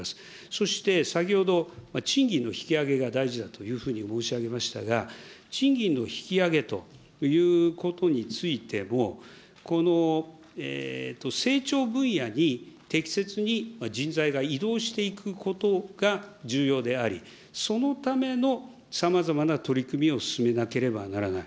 そして、先ほど賃金の引き上げが大事だというふうに申し上げましたが、賃金の引き上げということについても、この成長分野に適切に人材が移動していくことが重要であり、そのためのさまざまな取り組みを進めなければならない。